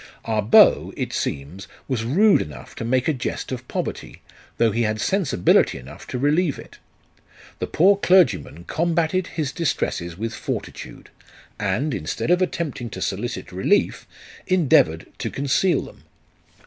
Our beau, it seems, was rude enough to make a jest of poverty, though he had sensibility enough to relieve it. The poor clergyman combated his distresses with fortitude ; and, instead of attempting to solicit relief, endeavoured to conceal them.